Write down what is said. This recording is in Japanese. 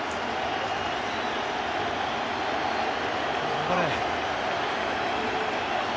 頑張れ。